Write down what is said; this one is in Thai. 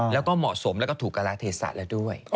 แล้วก็เหมาะสมและถูกกระลักษณ์เอธสัตว์ด้วย